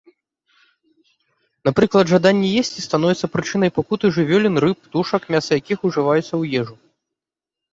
Напрыклад, жаданне есці становіцца прычынай пакуты жывёлін, рыб, птушак, мяса якіх ужываецца ў ежу.